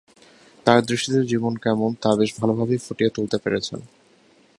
তার দৃষ্টিতে জীবন কেমন তা বেশ ভালোভাবেই ফুটিয়ে তুলতে পেরেছেন।